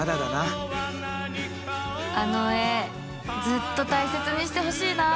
あの絵ずっと大切にしてほしいな。